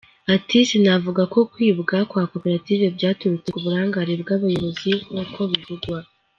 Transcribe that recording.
Ati “Sinavuga ko kwibwa kwa koperative byaturutse ku burangare bw’abayobozi nk’uko bivugwa.